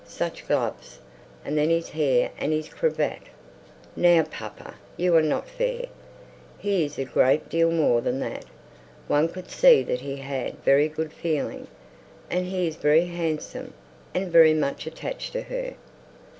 such gloves! And then his hair and his cravat!" "Now, papa, you're not fair. He is a great deal more than that. One could see that he had very good feeling; and he is very handsome, and very much attached to her."